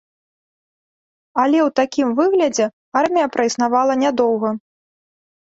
Але ў такім выглядзе армія праіснавала нядоўга.